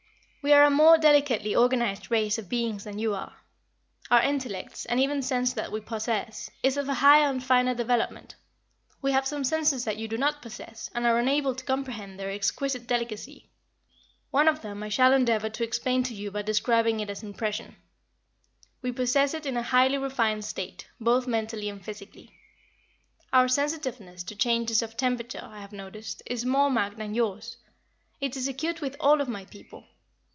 "We are a more delicately organized race of beings than you are. Our intellects, and even sense that we possess, is of a higher and finer development. We have some senses that you do not possess, and are unable to comprehend their exquisite delicacy. One of them I shall endeavor to explain to you by describing it as impression. We possess it in a highly refined state, both mentally and physically. Our sensitiveness to changes of temperature, I have noticed, is more marked than yours. It is acute with all of my people.